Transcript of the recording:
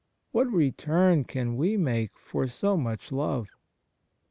What return can we make for so much love